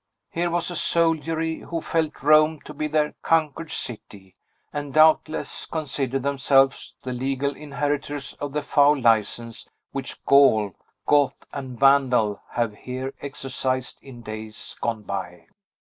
Here was a soldiery who felt Rome to be their conquered city, and doubtless considered themselves the legal inheritors of the foul license which Gaul, Goth, and Vandal have here exercised in days gone by.